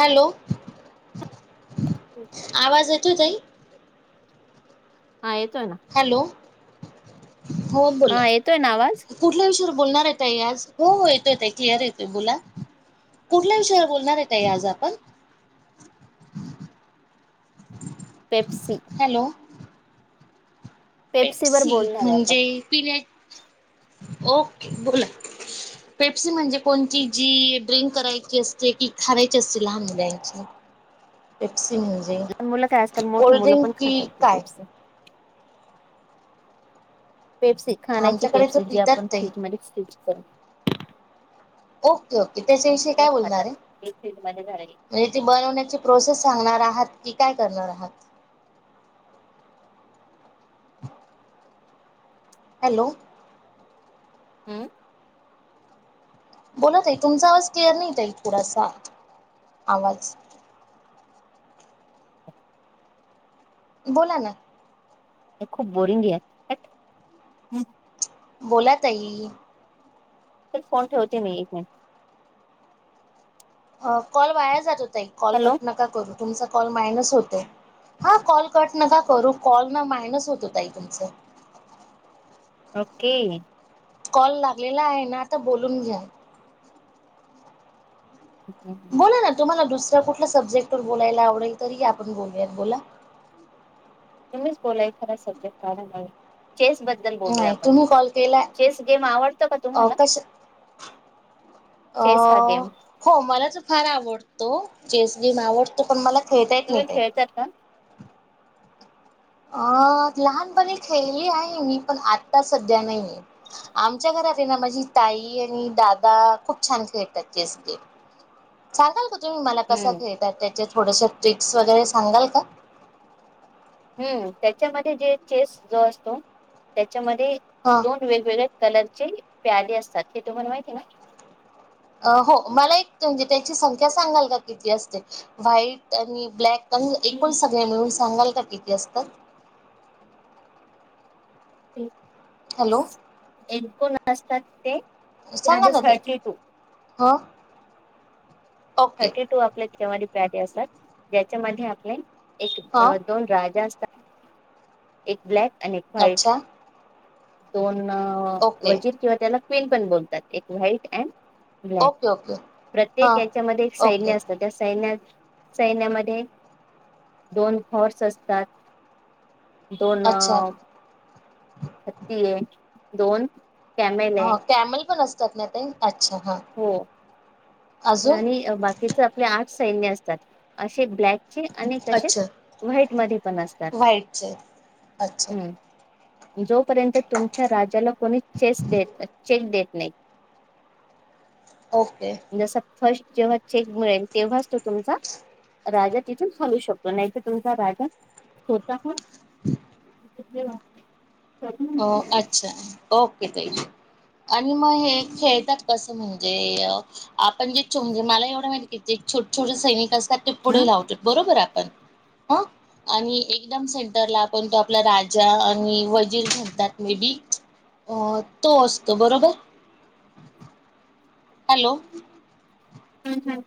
Hello आवाज येतो तई हा येतोय ना हॅलो हो बोला हा येतोय ना आवाज? कुठल्या विषयावर बोलणार येत आज हो हो येतो येत आहे क्लिअर येतोय बोला कुठल्या विषयावर बोलणार येतय आज आपण पेप्सिक हॅलो पेप्सी बोलणार आहे आपण म्हणजे पिण्या ओके बोला पेप्सी म्हणजे कोणती जी ड्रिंक करायची असते कि खरायची असते लहान मु द्यायची मुलं काय आजकाल मोठे मुलं पण की खातचे काय पेप्स खाण्यायची आमच्याकडे पेप्स तर जी पितात आपण ताई फ्रीज म स हो ओके त्याच्याविषयी काय बोलणार आहे ते फ्रीज मध्ये झालेली म्हणजे ती बनवण्याची प्रोसेस सांगणार आहात की काय करणार आहात हॅलो हम्म बोलत आहे तुमचा आवाज क्लिअर नाही येत आहे थोडासा आवाज बोला ना. हे खूप बोरिंग आहे. बोला ताई फोन ठेवते मी एक मिनट. अ कॉल वाया जातो. कॉल हॅलो कट नका करू. तुमचा कॉल मायनस होतोय हा कॉल कट नका करू कॉल ना मायनस होतो ताई तुमचं. ओके कॉल लागलेला आहे ना आता बोलून घ्या. बोला ना तुम्हाला दुस तुम्हाला कुठल्या सब्जेक्ट वर बोलायला आवडेल तरी या आपण बोलूयात. बोला [unintelligible] बोलूया नाही आपण तुम्ही कॉल केलाय चेस गेम आवडतो का अ तुम्हाला? कश अ चेस हा गेम हो मला तो फार आवडतो. चेस गेम आवडतो पण मला खेळता येत नाही तुम्ही ते खेळत्यात का? अ लहानपणी खेळली आहे मी पण आता सध्या नाही. आमच्या घरात आहे ना माझी ताई आणि दादा खूप छान खेळतात चेस गेम सांगाल का मला कसा हम्म खेळतात त्याचे थोडेसे टिप्स वगैरे सांगाल का? हम्म त्याच्यामध्ये जे चेस जो असतो त्याच्या ह दोन वेगवेगळ्या कलर प्यादे असतात हे तुम्हाला माहिती आहे ना. हो मला एक म्हणजे त्याची संख्या सांगाल का किती असते व्हाईट आणि ब्लॅक. एकूण ना? सगळे मिळून सांगाल का? किती असतात. [inaudible] हॅलो [unintelligible] [unintelligible] सांगा प्यादे ना ते थर्टी टू हो. [unintelligible] असात ज्याच्यामध्ये आपले एक ह दोन राजा असतात एक ब्लॅक एक व्हाईट. अच्छा दोन ओके वजीर किंवा त्याला [unintelligible] ओके ओके हा त्यात एक साईड असतात त्या साईड सैन्यामध्ये दोन फॉर्स असतात. दोन अच्छा हत्ती आहे. दोन कॅमेल आहे हो कॅमल पण असत [unintelligible] हो अजून आणि बाकीच आपले आर्टस सैन्य असतात अशे ब्लॅक आणि तसे अच्छा व्हाईट मध्ये पण असतात. व्हाईटचे अच्छा हम्म जोपर्यंत तुमच्या राजाला कोणी चेस चेक देत नाही. ओके जसं फर्स्ट. जेव्हा चेक मिळेल तेव्हाच तो तुमचा राजा तिथून हालू शकतो. नाही तर तुमचा राजा स्वता. हो. अच्छा ओके ताई आणि मग हे खेळतात कसं म्हणजे आपण जे मला एवढं माहिती की छोटे छोटे सैनिक अस तर ते क्या? पुढे लावतो बरोबर आपण. मग, आणि एकदम सेंटरला आपण तो आपला राजा आणि वजीर दॅट मे बी अ तो असतो बरोबर हॅलो. हम्म हम्म.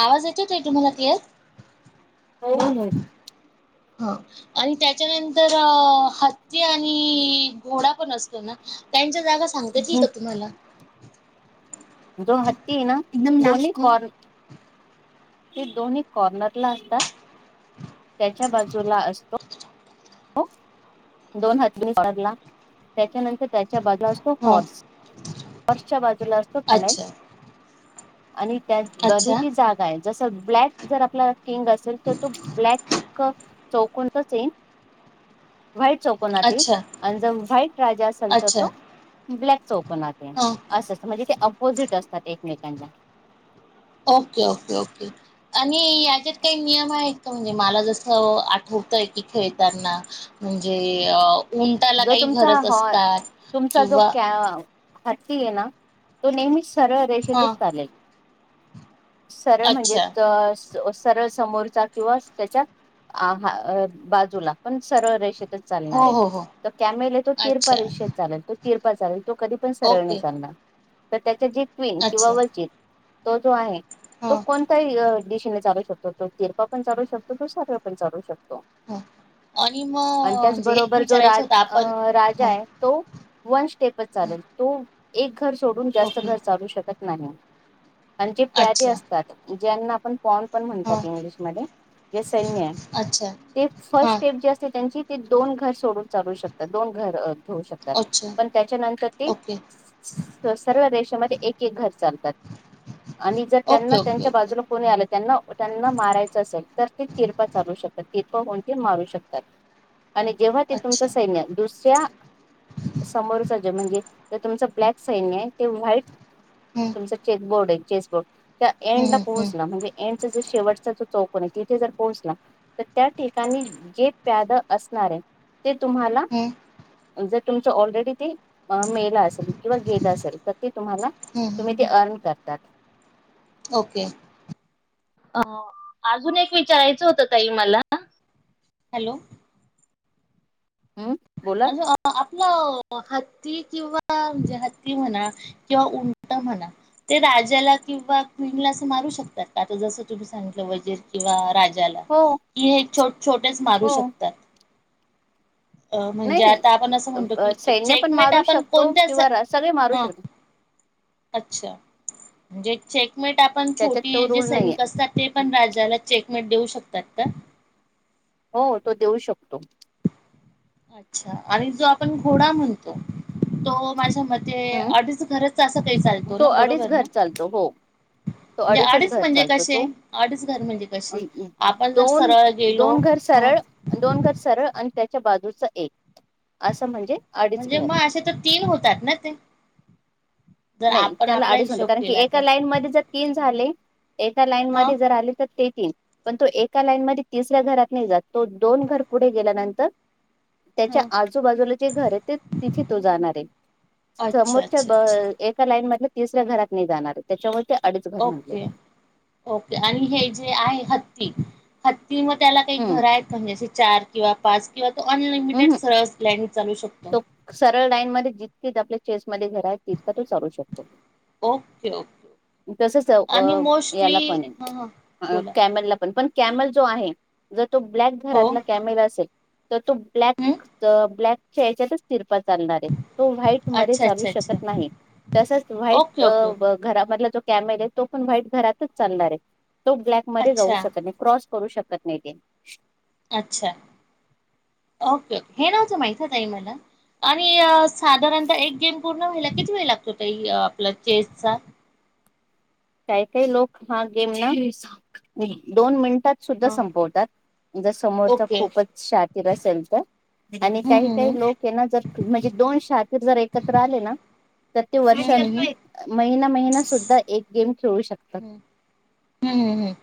आवाज येतोय ताई तुम्हाला क्लियर. हो हो. हा आणि त्याच्यानंतर हत्ती आणि घोडा पण असतो ना त्यांच्या जागा सांगता येईल हं. का तुम्हाला. जो हत्ती आहे ना एकदम लांब. आणि ते दोन्ही कॉर्नरला असतात त्याच्या बाजूला असतो. हो दोन हत्ती कॉर्नरला त्याच्यानंतर. त्याच्या बाजूला असतो हा हॉर्स हॉर्सच्या बाजूला असतो पॅनल. अच्छा आणि त्याच अच्छा बाजूची जागा आहे. जस ब्लॅक जर आपला. किंग असेल तर तो ब्लॅक. चौकणत च येईन. व्हाईट चौकोनात येईल अच्छा आणि जर व्हाईट राजा असेल तर अच्छा तो. ब्लॅक चौकोन. चौकोनात येईल हा असच म्हणजे ते अपोजिट असतात एक. [unintelligible] ओक्के ओक्के ओक्के आणि ह्याच्यात काई नियम आहेत का म्हणजे मला जसं आठवतंय की खेळताना म्हणजे अ उंटाला जो काही तुमचा घरच हॉर असतात तुमचा जो किंवा क्या हत्ती ए ना. तू नेहमीच. सरळ हा रेषेतच चालेल. सरळ म्हणजे अच्छा च स. अ सरळ समोरचा किंवा त्याच्या आ हा अ बाजूला पण सरळ रेषेत. त हो चालणारे. हो हो त त्या मेले तो तीर अच्छा परिषेत चालेल तू. तीरपा चालेल. तो कधी पण सरळ नाई ओके चालणार. तर त्याच्या जी क्वीन किंवा अच्छा वजीर तो जो आहे. तो हा कोणताई अ दिशेने चालू शकतो. तो तिरपा पण चालू शकतो तो सरळ पण चालू शकतो. ह आणि म आणि म्हणजे हेच त्याचबरोबर जो विचारायचं राज होतं आप अ राजाए तो वंश ते पण हां चालेल तू एग घर सोडून जास्त ओके घर चालू शकत नाही. आन जे प्यादे अच्छा असतात. ज्यांनापण पॉन पण म्हणतात हां इंग्लिशमध्ये जे सैन्य अच्छा हे ते फस्ट हां स्टेप जे असते त्यांची ते दोन घर सोडूनं चालू शकतात दोन घर अ होऊ शकतात अच्छा पण त्याच्यानंतर ते ओके सर्व देेशामधे एक एक घर चालतात, आणि जर ओके त्यांना ओके त्यांच्या ओके बाजूला कोणी आलं, त्यांना त्यांना मारायचं असेल तर ते तिरपं चालू शकतात ते कोण कोण ते मारू शकतात आणि जेव्हा तुमचं अच्छा सैन्य दुसऱ्या समोरच जे म्हणजे ज तुमचं ब्लॅक सैन्यए - ते व्हाईट हं तुमच चेकबोर्डे हे. चेसबोर्ड. त्या एंडला हं हं पोहोचणं, म्हणजे एंडचा जे शेवटचा जो चौकन तिथे जर पोहोचला, तर त्या ठिकाणी जे प्याद असणार आहे ते तुम्हाला हं हं जर तुमच ऑलरेडी ते मेलं असेल किंवा गेलं असेल तर ते तुम्हाला हं तुम्ही हं ते अर्न करतात. ओके, ओके, अजून एक विचारायचं होतं ताई मला हॅलो हम् बोला अस आपल हत्ती किंवा म्हणजे हत्ती म्हणा किंवा उंट म्हणा ते राजाला किंवा क्वीनला असं मारू शकतात का? आता जसं तुम्ही सांगितलं वजिर किंवा राजा ज्याला हो कि हे छोट, छोटेच मारू हो शकतात. अ म्हणजे नाही आता आपण असं म्हणतो की सैन्य पण चेकमेट मारू आपण शकतो कोणत्या अस किंवा सगळे मारू हं शकतो अच्छा. म्हणजे चेक मिट आपण त्याच्यात छोटी तो जे रूल नाहीये सैनिक असतात ते पण राजाला चेक देऊ शकतात का? हो तो देऊ शकतो अच्छा आणि जो आपण घोडा म्हणतो, तो माझ्या मते ते हम् अडीच घरच असं काही चालतो तो ना, अडीच बरोबर ना. घर चालतो हो तो म्हणजे अडीचच अडीच घर म्हणजे चालतो कसे तो अडीच घर म्हणजे कसे आपण जर दोन सरळ गेलो. दोन घर ह सरळ दोन घर सरळ आणि त्याच्या बाजूचा एक असं अडीच म्हणजे घर मग असे तर तीन होतात ना ते? जर नाही, आपण त्याला आपला अडीच म्हणत हिशोब कारण, की केला एका तर लाईन मध्ये जर तीन झाले. एका लाईन ह मध्ये जर आले तर ते तीन पण तो एका लाईन मध्ये तिसऱ्या घरात नाही जात. तो दोन घर पुढे गेल्यानंतर त्याच्या ह आजूबाजूला जे घर आहे. ते तिथे तो जाणार आहे अच्छा समोरच्या अच्छा अच्छा अ लाईन तिसऱ्या घरात नाही जाणार. त्याच्या ओके, ओके आणि हे जे आहे हत्ती हत की, मग त्याला काही हम्म घर आहेत म्हणजे चार किंवा पाच किंवा अनलिमिटेड हम्म सोर्स असल्याने तो सरळ लाईन मध्ये जितकेच आपल्या चेस मध्ये घर आहेत ती ओके ओके तसच आणि याला मोस्टली पण हां हां आहे बोला कॅमला पण अ. कॅमल जो आहे जर कॅ तो ब्लॅक हो घरातला कॅमेल असेल तर तो ब्लॅक, हं. ब्लॅक. चचेयच्यातचिर [inaudible] चालणारे तो व्हाईट अच्छा मध्येचालू अच्छा अच्छा शकत नाही, तसच व्हाईट ओके ओके ओके घरामधला जो कॅमेरे तो पण वाईट घरातच चालणार आहे. तो ब्लॅकमध्ये जाऊ अच्छा शकत नाही, क्रॉस करू शकत नाही ते अच्छा ओके, ओके, हे नव्हतं माहित तई मला आणि साधारणतः एक गेम पूर्ण व्हायला किती वेळ लागतो त आपला चेसचा काही काही लोक हा गेम ना दोन मिनट. सुद्धा हा संपतात जर समोर ओके खूपच शाकीर असेल तर, आणि हम्म काही हम्म काही लोक ना ज म्हणजे दोन शात ते जर एकत्र आले ना. तर ते वर्ष हम्म हम्म महिना महिना सुद्धा एक गेम खेळू शकतात. हम्म हम्म हम्म हम्म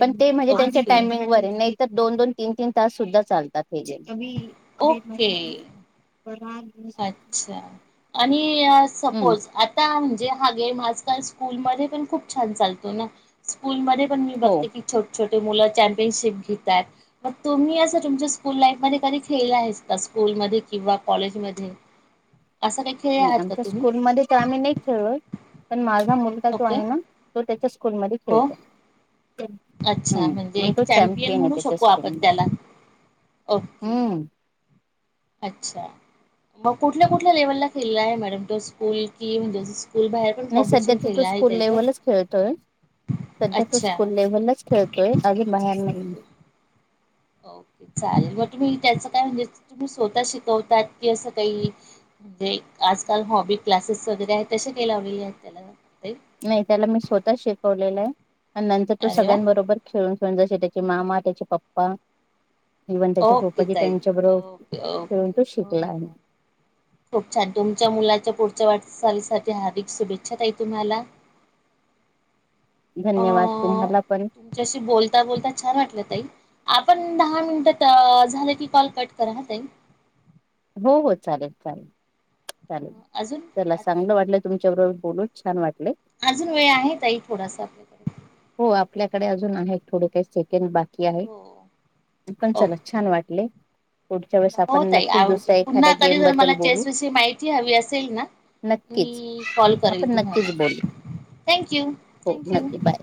पण ते म्हणजे त्यांच्या ओके टायमिंग वर आहे ना तर दोन -दोन, तीन -तीन, तास सुद्धा चालतात. [unintelligible] ओके अच्छा आणि [unintelligible] हम्म सपोज आता---हूं. हा गेम आज काल स्कूल मध्ये पण खूप छान चालतो ना. स्कूलमध्ये पण मी हो बघते की छोट छोटे मुलं चॅम्पियनशिप घेतात. मग तुम्ही असं तुमच्या स्कूल लाईफ मध्ये कधी खेळलं आहेस का? स्कूलमध्ये किंवा कॉलेजमध्ये. ह. नाही. आमच्या स्कूलमध्ये तर आम्ही नाही खेळलोय, पण माझा मुलगा जो ओके आहे ना तो त्याच्या स्कूलमध्ये हो खेळतोय. अच्छा, म्हणजे एक चॅम्पियन आहे म्हणू त्याच्या शकू आपण स्कूलमध्ये त्याला. ओके. हम्म अच्छा. मग कुठल्या कुठल्या लेव्हलला खेळला आहे मॅडम तो? स्कूल कि म्हणजे स्कूल बाहेर पण नाही. सध्या कॉम्पिटिशन तर तो खेळला आहे स्कूल ताई तो लेव्हलच खेळतोय, सध्या तो अच्छा स्कूल लेव्हलच खेळतोय, अजून बाहेर नाही. ओके. चालेल. मग तुम्ही त्याच काय म्हणजे तुम्ही स्वतः शिकवतात? की असं काही म्हणजे आजकाल हॉबी क्लासेस वगैरे आहेत, तसे काय. लावली आहेत त्याला. ताई नाही. त्याला मी स्वतः शिकवलेलं आहे. आणि नंतर तो अरे वा सगळ्यां बरोबर खेळून पण जसे त्याचे मामा, त्याचे पप्पा, इव्हन त्याच्या ओके फुपाजी ताई त्यांच्याबरोबर ओके खेळून ओके तो हो शिकला हो हो आहे. खूप छान! तुमच्या मुलाच्या पुढच्या वाटचाचालीसाठी हार्दिक शुभेच्छा ताई तुम्हाला. धन्यवाद अं तुम्हाला पण तुमच्याशी बोलता, बोलता छान वाटलं ताई. आपण दहा मिनिटात अं झाले की कॉल कट करा हां ताई. हो हो चालेल, चालेल. चालेल. अजून चला, चांगलं वाटलं तुमच्या बरो बोलून छान वाटले. अजून वेळ आहे तई थोडासा, आपल्या. तर [inaudible] हो, आपल्याकडे अजून आहेत थोडं काही सेकंड बाकी. की आहे हो. पण चला छान ओके वाटले. पुढच्या वेळेस हो, आपण ताई नक्कीच आव दुसऱ्या पुन्हा एखाद्या कधी गेम जर बद्दल मला बोलू चेस विषयी माहिती हवी असेल ना, नक्कीच मी कॉल आपण करेल तुम्हाला नक्कीच बोलू थँक यू, हो थँक यू,. नक्की बाय.